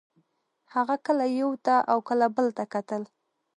هغه کله یو ته او کله بل ته کتل